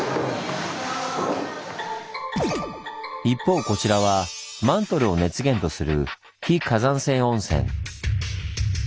一方こちらはマントルを熱源とする非火山性温泉。